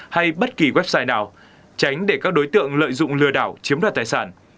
hay bất kỳ website nào tránh để các đối tượng lợi dụng lừa đảo chiếm đoạt tài sản